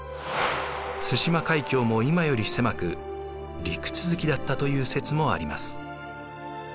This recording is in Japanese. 対馬海峡も今より狭く陸続きだったという説もあります。